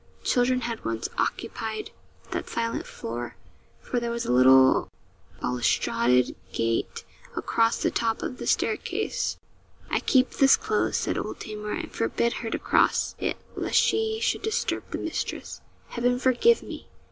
Children had once occupied that silent floor for there was a little balustraded gate across the top of the staircase. 'I keep this closed,' said old Tamar, 'and forbid her to cross it, lest she should disturb the mistress. Heaven forgive me!'